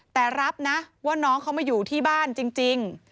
แต่รับนะว่าน้องเขามาอยู่ที่บ้านจริง